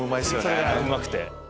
それがうまくて。